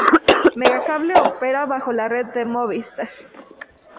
Megacable opera bajo la red de Movistar.